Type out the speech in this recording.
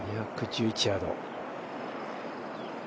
２１１ヤード。